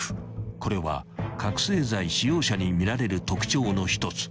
［これは覚醒剤使用者にみられる特徴の一つ］